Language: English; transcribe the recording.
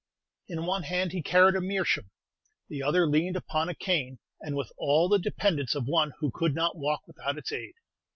In one hand he carried a meerschaum, the other leaned upon a cane, and with all the dependence of one who could not walk without its aid.